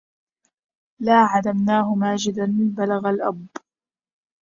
لا عدِمناه ماجداً بلّغ الأب